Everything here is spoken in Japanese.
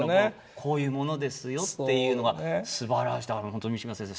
「こういうものですよ」っていうのがすばらしい本当に三島先生